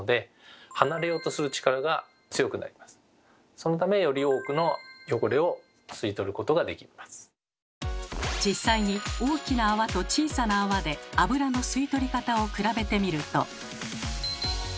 そのためより多くの実際に大きな泡と小さな泡で油の吸い取り方を比べてみると。